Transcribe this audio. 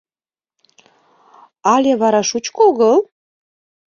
Але вара шучко огыл